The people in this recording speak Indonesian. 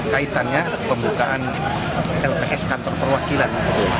kaitannya pembukaan lps kantor perwakilan